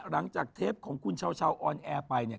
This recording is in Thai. หลังจากเทปของคุณเชาเชาออนแอร์ไปเนี่ย